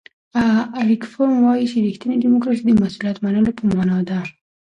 اریک فروم وایي چې ریښتینې دیموکراسي د مسؤلیت منلو په مانا ده.